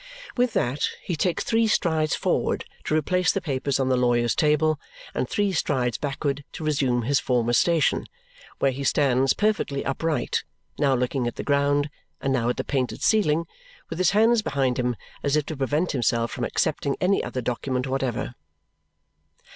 With that, he takes three strides forward to replace the papers on the lawyer's table and three strides backward to resume his former station, where he stands perfectly upright, now looking at the ground and now at the painted ceiling, with his hands behind him as if to prevent himself from accepting any other document whatever.